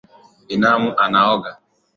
Binamu anaoga